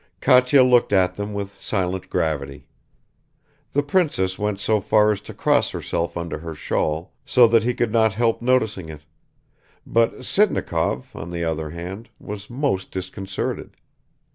Katya looked at him with silent gravity. The princess went so far as to cross herself under her shawl, so that he could not help noticing it; but Sitnikov, on the other hand, was most disconcerted.